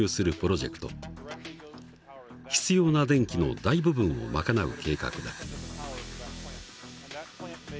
必要な電気の大部分を賄う計画だ。